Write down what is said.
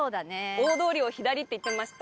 大通りを左って言ってました。